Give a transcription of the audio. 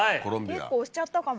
結構押しちゃったかも。